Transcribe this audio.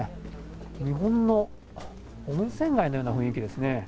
日本の温泉街のような雰囲気ですね。